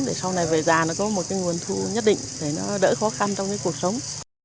để sau này về già nó có một cái nguồn thu nhất định để nó đỡ khó khăn trong cái cuộc sống